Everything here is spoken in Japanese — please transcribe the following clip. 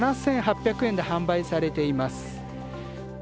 ７８００円で販売されています。